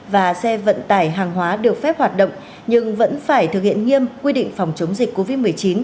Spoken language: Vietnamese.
và xe vận tải hàng hóa được phép hoạt động nhưng vẫn phải thực hiện nghiêm quy định phòng chống dịch covid một mươi chín